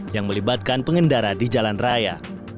yang melibatkan pengendara di jalan raya